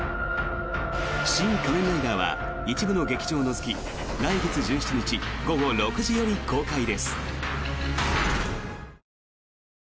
「シン・仮面ライダー」は一部の劇場を除き来月１７日午後６時より公開です。